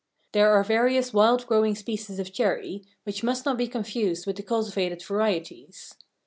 There are various wild growing species of cherry, which must not be confused with the cultivated varieties.